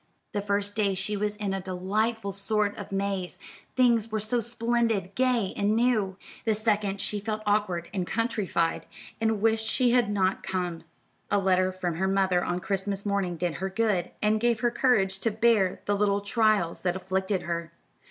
The first day she was in a delightful sort of maze, things were so splendid, gay and new; the second she felt awkward and countrified, and wished she had not come. A letter from her mother on Christmas morning did her good, and gave her courage to bear the little trials that afflicted her.